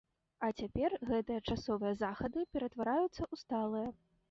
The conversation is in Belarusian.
А цяпер гэтыя часовыя захады ператвараюцца ў сталыя.